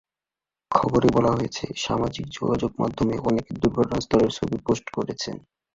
খবরে বলা হয়েছে, সামাজিক যোগাযোগ মাধ্যমে অনেকে দুর্ঘটনাস্থলের ছবি পোস্ট করেছেন।